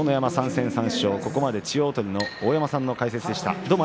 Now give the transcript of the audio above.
ここまでは千代鳳の大山さんの解説でした。